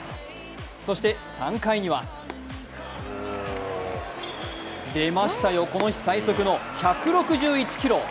そして３回には出ました、最速の１６１キロ。